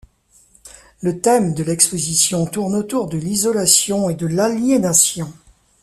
Le thème de l’exposition tourne autour de l’isolation et de l’aliénation.